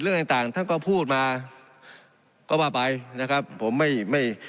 เรื่องต่างต่างท่านก็พูดมาก็ว่าไปนะครับผมไม่ไม่